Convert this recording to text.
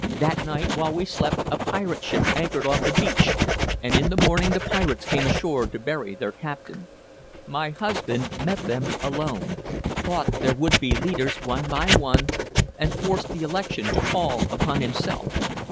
That night, while we slept, a pirate ship anchored off the beach, and in the morning the pirates came ashore to bury their captain. My husband met them alone, fought their would be leaders one by one, and forced the election to fall upon himself.